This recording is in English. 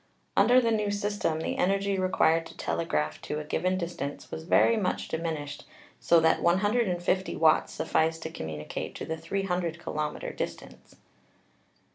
Under the new system the energy required to telegraph to a given distance was very much diminished, so that 150 watts sufficed to communicate to the 300 kilometec distance.